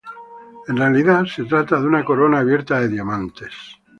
En realidad se trata de una corona abierta de diamantes.